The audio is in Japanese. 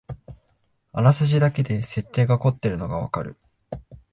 あらすじだけで設定がこってるのがわかる